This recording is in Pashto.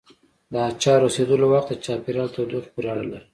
د اچارو رسېدلو وخت د چاپېریال تودوخې پورې اړه لري.